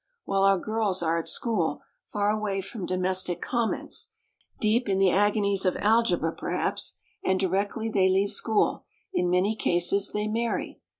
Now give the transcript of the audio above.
while our girls are at school, far away from domestic comments, deep in the agonies of algebra perhaps; and directly they leave school, in many cases they marry.